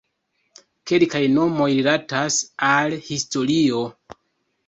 Kelkaj nomoj rilatas al historio.